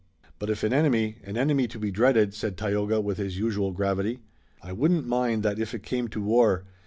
"But if an enemy, an enemy to be dreaded," said Tayoga with his usual gravity. "I wouldn't mind that if it came to war.